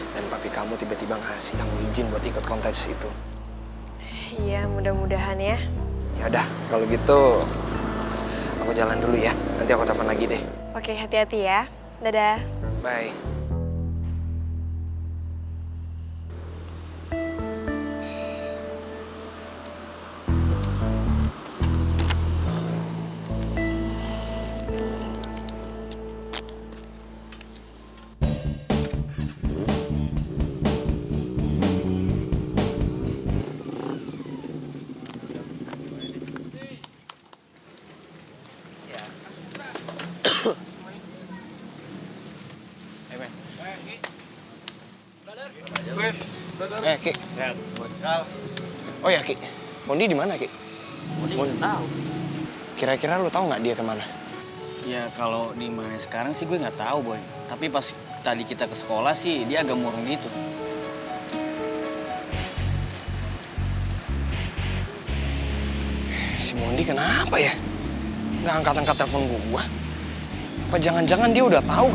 dan papi kamu tiba tiba ngasih kamu izin buat ikut kontes itu